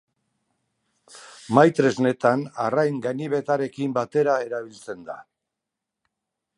Mahai-tresnetan arrain-ganibetarekin batera erabiltzen da.